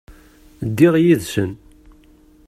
Ddiɣ yid-sen.